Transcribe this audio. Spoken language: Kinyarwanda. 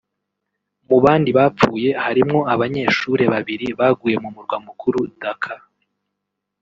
Mu bandi bapfuye harimwo abanyeshure babiri baguye mu murwa mukuru Dhaka